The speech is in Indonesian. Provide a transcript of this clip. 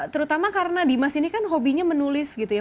terutama karena dimas ini kan hobinya menulis gitu ya